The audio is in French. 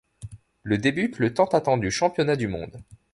Le débute le tant attendu championnat du monde.